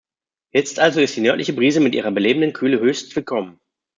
Jetzt also ist die nördliche Brise mit ihrer belebenden Kühle höchst willkommen.